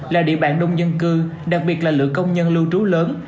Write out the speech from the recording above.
là địa bàn đông dân cư đặc biệt là lượng công nhân lưu trú lớn